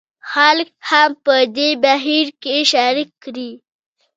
خلک هم په دې بهیر کې شریک کړي.